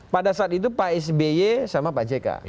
pada saat itu pak sby sama pak jk